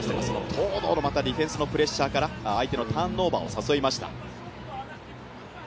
東藤のディフェンスのプレッシャーから相手のターンオーバーを誘いました。